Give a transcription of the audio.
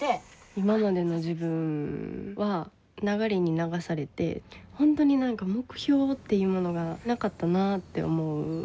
今までの自分は流れに流されてほんとになんか目標っていうものがなかったなって思う。